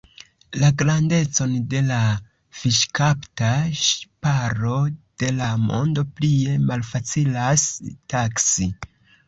La grandecon de la fiŝkapta ŝiparo de la mondo plie malfacilas taksi.